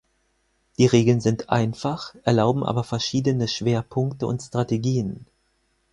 Die Regeln sind einfach, erlauben aber verschiedene Schwerpunkte und Strategien.